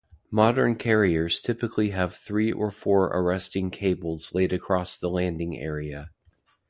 Modern carriers typically have three or four arresting cables laid across the landing area.